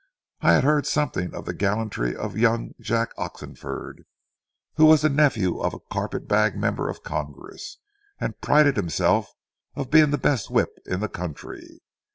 I had heard something of the gallantry of young Jack Oxenford, who was the nephew of a carpet bag member of Congress, and prided himself on being the best whip in the country.